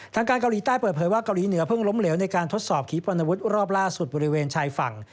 ทางการเกาหลีใต้เปิดเผยว่าเกาหลีเหนือเพิ่งล้มเหลวในการทดสอบขีปรณวุฒิรอบล่าสุดบริเวณชายฝั่ง